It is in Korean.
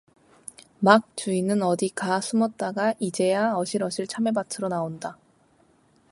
막 주인은 어디 가 숨었다가 이제야 어실어실 참외밭으로 나온다.